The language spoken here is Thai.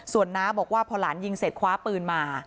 ส่วนน้าบอกว่าพอหลานยิงเสร็จคว้าปืนมา